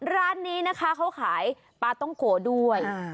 ร้านนี้นะคะเขาขายปลาต้องโกด้วย